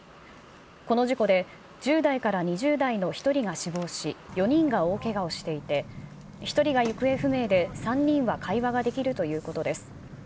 この事故で、１０代から２０代の１人が死亡し、４人が大けがをしていて、１人が行方不明で、３人は会話ができるということです。